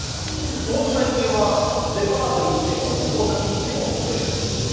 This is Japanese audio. ほんと最近はデパート行っても旅行先行ってもトイレは自分で。